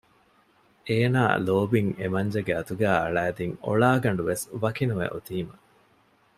އޭނާ ލޯބިން އެމަންޖެގެ އަތުގައި އަޅައިދިން އޮޅާގަނޑުވެސް ވަކިނުވެ އޮތީމަ